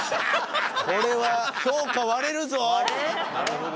これは評価割れるぞ。